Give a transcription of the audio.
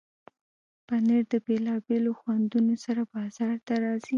پنېر د بیلابیلو خوندونو سره بازار ته راځي.